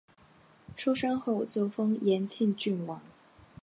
出生后就封延庆郡王。